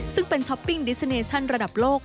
ซึ่งเป็นช้อปปิ้งดิสเนชั่นระดับโลก